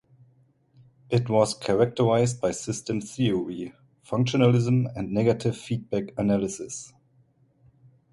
It was characterised by systems theory, functionalism and negative feedback analysis.